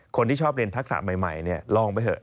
คนที่ชอบเรียนทักษะใหม่ลองไปเถอ